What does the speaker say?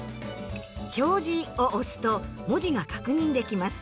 「表示」を押すと文字が確認できます。